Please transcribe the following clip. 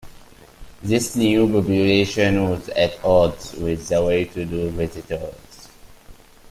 This new population was at odds with the well-to-do visitors.